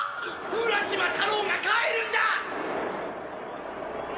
浦島太郎が帰るんだ！